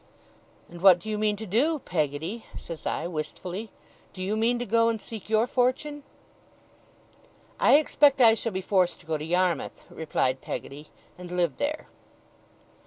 'And what do you mean to do, Peggotty,' says I, wistfully. 'Do you mean to go and seek your fortune?' 'I expect I shall be forced to go to Yarmouth,' replied Peggotty, 'and live there.